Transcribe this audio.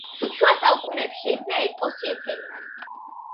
შუა საუკუნეებში შეიქმნა ეპოსი „ეთერიანი“.